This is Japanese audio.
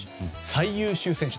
最優秀選手